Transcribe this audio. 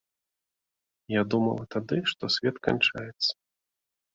Я думала тады, што свет канчаецца.